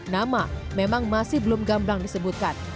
nama memang masih belum gamblang disebutkan